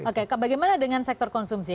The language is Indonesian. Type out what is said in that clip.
oke bagaimana dengan sektor konsumsi